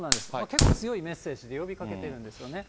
結構強いメッセージで呼びかけてるんですよね。